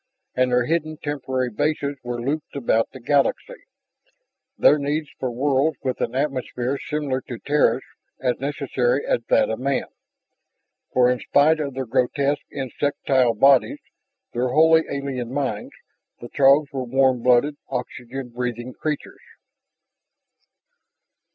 And their hidden temporary bases were looped about the galaxy, their need for worlds with an atmosphere similar to Terra's as necessary as that of man. For in spite of their grotesque insectile bodies, their wholly alien minds, the Throgs were warm blooded, oxygen breathing creatures.